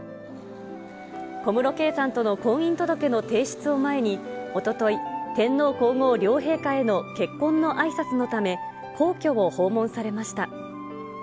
小室圭さんとの婚姻届の提出を前に、おととい、天皇皇后両陛下への結婚のあいさつのため、皇居を訪問されました。